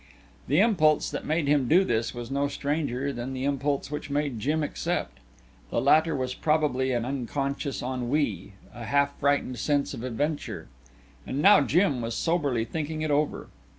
The impulse that made him do this was no stranger than the impulse which made Jim accept. The latter was probably an unconscious ennui, a half frightened sense of adventure. And now Jim was soberly thinking it over.